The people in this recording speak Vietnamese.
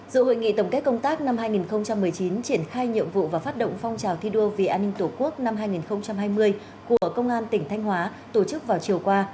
dự hội nghị tổng kết công tác năm hai nghìn một mươi chín triển khai nhiệm vụ và phát động phong trào thi đua vì an ninh tổ quốc năm hai nghìn hai mươi của công an tỉnh thanh hóa tổ chức vào chiều qua